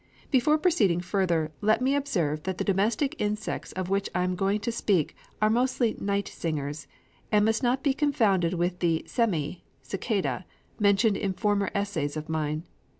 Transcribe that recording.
Before proceeding further, let me observe that the domestic insects of which I am going to speak, are mostly night singers, and must not be confounded with the semi (cicadæ), mentioned in former essays of mine.